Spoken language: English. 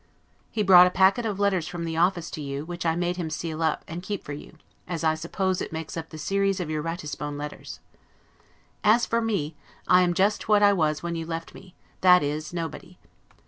He brought a packet of letters from the office to you, which I made him seal up; and keep it for you, as I suppose it makes up the series of your Ratisbon letters. As for me, I am just what I was when you left me, that is, nobody.